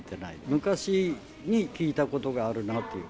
昔に聞いたことがあるなと。